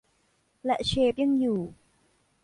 และเชฟยังอยู่